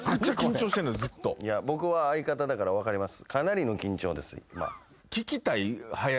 僕は相方だから分かります。